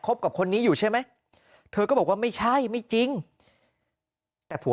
กับคนนี้อยู่ใช่ไหมเธอก็บอกว่าไม่ใช่ไม่จริงแต่ผัว